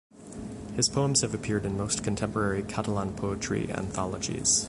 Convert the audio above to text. His poems have appeared in most contemporary Catalan poetry anthologies.